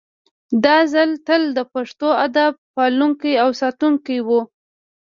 دا ځمکه تل د پښتو ادب پالونکې او ساتونکې وه